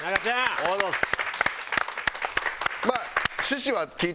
ありがとうございます！